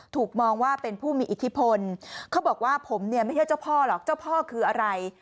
ถูกมองว่าเป็นผู้มีอิทธิพลเขาบอกว่าผมเนี่ยไม่ใช่เจ้าพ่อหรอกเจ้าพ่อคืออะไร